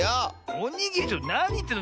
おにぎりなにいってんの？